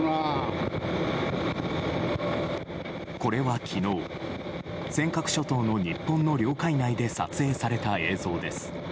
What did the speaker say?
これは昨日尖閣諸島の日本の領海内で撮影された映像です。